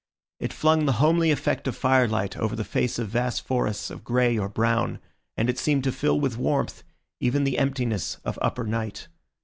It flung the homely effect of firelight over the face of vast forests of grey or brown, and it seemed to fill with warmth even the emptiness of upper night.